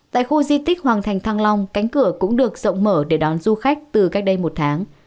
tại khu di tích hoàng thành thăng long cánh cửa cũng được rộng mở để đón du khách từ cách đây một tháng